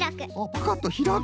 パカッとひらく。